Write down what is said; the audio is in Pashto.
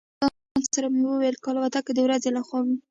له ځان سره مې وویل: که الوتکه د ورځې له خوا.